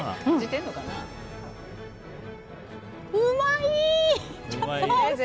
うまい。